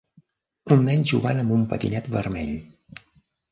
Un nen jugant amb un patinet vermell.